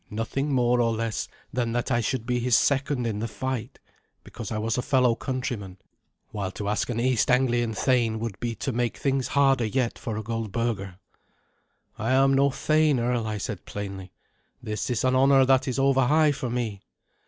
Nothing more or less than that I should be his second in the fight, because I was a fellow countryman, while to ask an East Anglian thane would he to make things harder yet for Goldberga. "I am no thane, earl," I said plainly. "This is an honour that is over high for me."